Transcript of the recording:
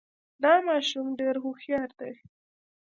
دا ماشوم ډېر هوښیار دی.